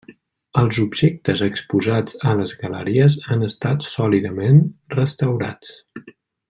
Els objectes exposats a les galeries han estat sòlidament restaurats.